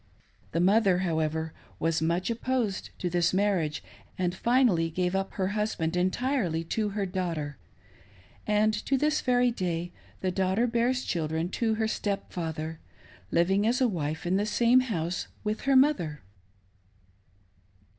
The mother, however, was much opposed to this marriage, and finally gave up her husband entirely to her daughter ; and to this very day the daughter bears children to her "step father, living as wife in the same house with her mother